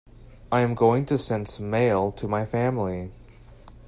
I am going to send some mail to my family.